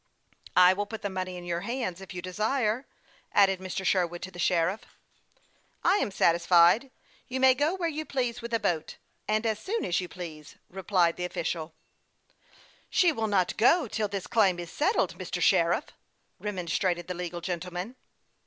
" I will put the money in your hands, if you desire," added Mr. Sherwood to the sheriff. " I am satisfied. You may go where you please with the boat, and as soon as you please," replied the official, who was not disposed to cause any needless trouble. " She will not go till this claim is settled, Mr. Sheriff," remonstrated the legal gentleman.